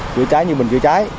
chữa trái như bình chữa trái